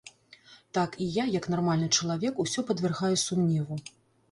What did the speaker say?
Так і я, як нармальны чалавек, усё падвяргаю сумневу.